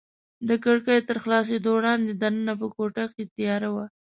د کړکۍ تر خلاصېدو وړاندې دننه په کوټه کې تیاره وه.